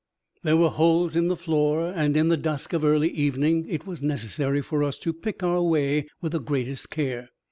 There were holes in the floor, and in the dusk of early evening it was necessary for us to pick our way with the greatest care.